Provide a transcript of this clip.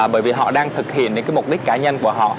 bởi vì họ đang thực hiện những cái mục đích cá nhân của họ